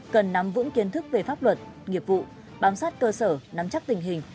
cần nắm vững kiến thức về pháp luật nghiệp vụ bám sát cơ sở nắm chắc tình hình